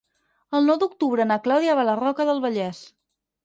El nou d'octubre na Clàudia va a la Roca del Vallès.